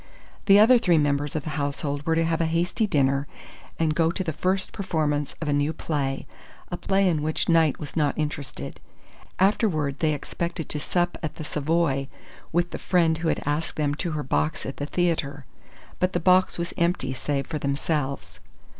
The other three members of the household were to have a hasty dinner and go to the first performance of a new play a play in which Knight was not interested. Afterward they expected to sup at the Savoy with the friend who had asked them to her box at the theatre; but the box was empty save for themselves.